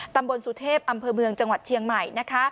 ตำบลสุเทพอำเภอเมืองจังหวัดเชียงใหม่